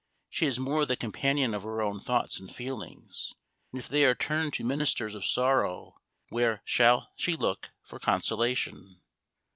She is more the companion of her own thoughts and feelings; and if they are turned to ministers of sorrow, where shall she look for consolation?